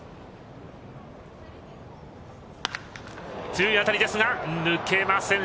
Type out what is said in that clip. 強い当たりですが抜けません。